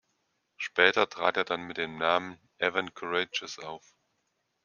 Später trat er dann mit dem Namen "Evan Courageous" auf.